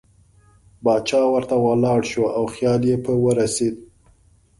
باچا ورته ولاړ شو او خیال یې په ورسېد.